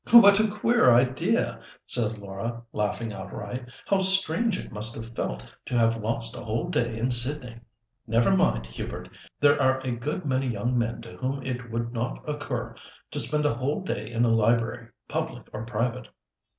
"What a queer idea!" said Laura, laughing outright. "How strange it must have felt to have lost a whole day in Sydney. Never mind, Hubert! There are a good many young men to whom it would not occur to spend a whole day in a library, public or private.